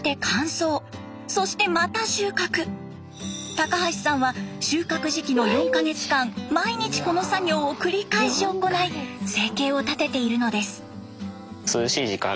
高橋さんは収穫時期の４か月間毎日この作業を繰り返し行い生計を立てているのです。